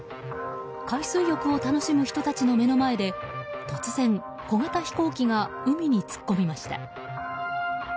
海水浴を楽しむ人たちの目の前で突然、小型飛行機が海に突っ込みました。